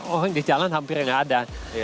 orang di jalan hampir tidak ada